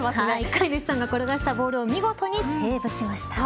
飼い主さんが転がしたボールを見事にセーブしました。